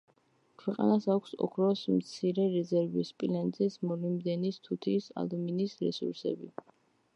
ქვეყანას აქვს ოქროს მცირე რეზერვი, სპილენძის, მოლიბდენის, თუთიის, ალუმინის რესურსები.